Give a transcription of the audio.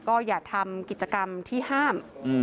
ก็อย่าทำกิจกรรมที่ห้าม